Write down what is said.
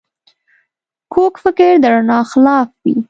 کوږ فکر د رڼا خلاف وي